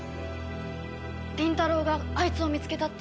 倫太郎があいつを見つけたって。